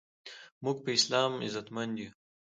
مونږ په اسلام عزتمند یو